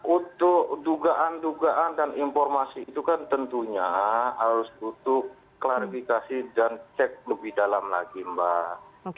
untuk dugaan dugaan dan informasi itu kan tentunya harus butuh klarifikasi dan cek lebih dalam lagi mbak